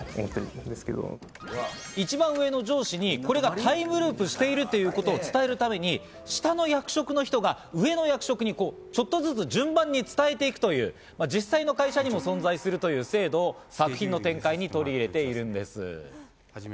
一番上の上司にこれがタイムループしているということを伝えるために、下の役職の人が上の役職にちょっとずつ、順番に伝えていくという実際の会社にも存在するという制度を作品の展開に取り入れているんです。